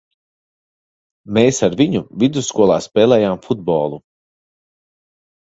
Mēs ar viņu vidusskolā spēlējām futbolu.